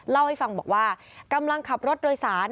เล่าให้ฟังบอกว่ากำลังขับรถโดยสาร